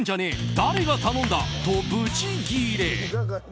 誰が頼んだ！とブチギレ。